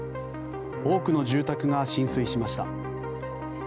多くの住宅が浸水しました。